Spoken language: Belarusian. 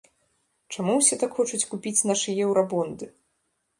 Чаму ўсе так хочуць купіць нашы еўрабонды?